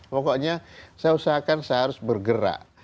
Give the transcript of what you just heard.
pokoknya saya usahakan saya harus bergerak